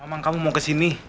emang kamu mau kesini